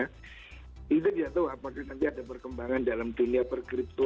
kita tidak tahu apakah nanti ada perkembangan dalam dunia perkripto